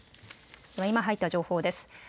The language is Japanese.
今入った情報です。